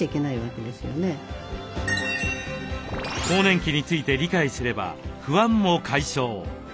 更年期について理解すれば不安も解消！